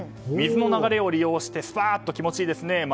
水の流れを利用してスパッと気持ちいいですね。